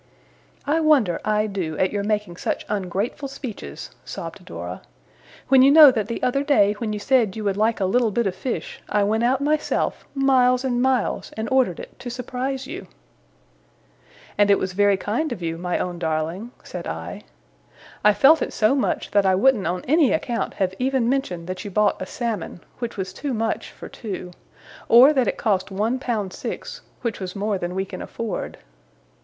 'I wonder, I do, at your making such ungrateful speeches,' sobbed Dora. 'When you know that the other day, when you said you would like a little bit of fish, I went out myself, miles and miles, and ordered it, to surprise you.' 'And it was very kind of you, my own darling,' said I. 'I felt it so much that I wouldn't on any account have even mentioned that you bought a Salmon which was too much for two. Or that it cost one pound six which was more than we can afford.